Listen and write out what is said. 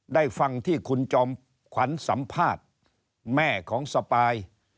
ได้ฟังที่คุณจอมขวัญสัมภาษณ์แม่ของสปาย